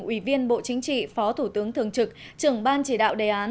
ủy viên bộ chính trị phó thủ tướng thường trực trưởng ban chỉ đạo đề án